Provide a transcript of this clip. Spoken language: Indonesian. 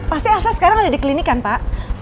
pasti elsa sekarang ada di klinik kan pak